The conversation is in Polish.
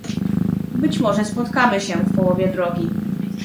Być może spotkamy się w połowie drogi